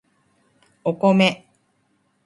お米